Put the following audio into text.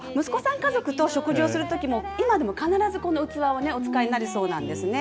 家族と食事をするときも、今でも必ずこの器をお使いになるそうなんですよね。